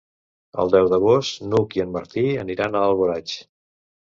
El deu d'agost n'Hug i en Martí aniran a Alboraig.